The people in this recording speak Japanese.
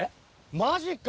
マジか！